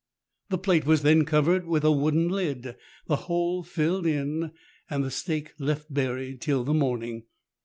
The plate was then covered with a wooden lid, the hole filled in, and the stake left buried till the morning.